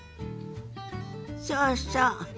そうそう。